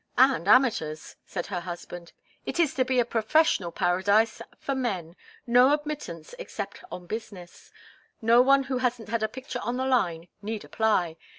"And amateurs," said her husband. "It's to be a professional paradise for men no admittance except on business. No one who hasn't had a picture on the line need apply.